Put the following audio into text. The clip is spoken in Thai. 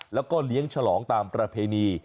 แล้วก็เลี้ยงฉลองตามประเพณี